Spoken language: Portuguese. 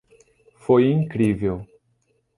Foi incrível.